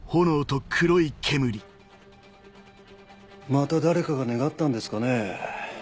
また誰かが願ったんですかね？